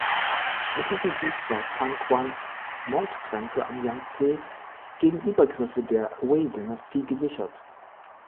Mit diesem Sieg war Sun Quans Nordgrenze am Jangtse gegen Übergriffe der Wei-Dynastie gesichert.